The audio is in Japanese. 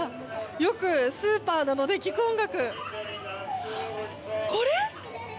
よくスーパーなどで聞く音楽これ？